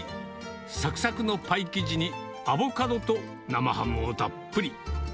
さくさくのパイ生地にアボカドと生ハムをたっぷり。